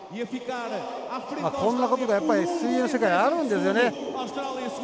こんなことが、やっぱり水泳の世界、あるんですよね。